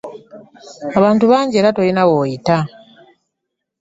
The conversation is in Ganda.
Abantu bangi era tolina w'oyita.